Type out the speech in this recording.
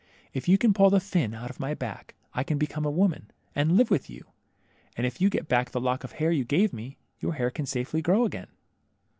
If you can pull the fin out of my back I can become a woman, and live with you ; and if you get back the lock of hair you gave me, your hair can safely grow again."